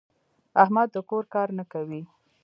احمد د کور کار نه کوي.